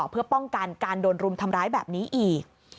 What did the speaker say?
เพื่อป้องกันการโดนรุมทำร้ายแบบนี้อีก